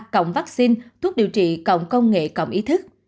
cộng vaccine thuốc điều trị cộng công nghệ cộng ý thức